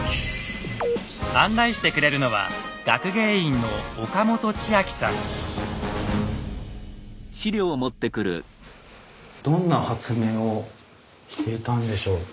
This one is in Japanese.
案内してくれるのはどんな発明をしていたんでしょう？